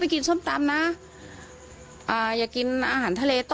ไปกินส้มตำนะ